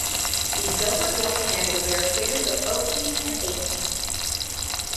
The silver gilt handle bears figures of oak leaves and acorns.